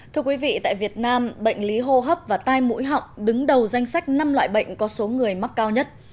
thưa quý vị tại việt nam bệnh lý hô hấp và tai mũi họng đứng đầu danh sách năm loại bệnh có số người mắc cao nhất